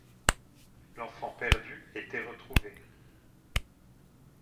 L’enfant perdu était retrouvé.